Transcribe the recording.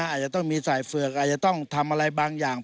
อาจจะต้องมีสายเฝือกอาจจะต้องทำอะไรบางอย่าง